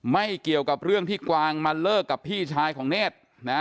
ไม่เกี่ยวกับเรื่องที่กวางมาเลิกกับพี่ชายของเนธนะ